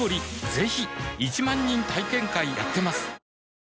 ぜひ１万人体験会やってますはぁ。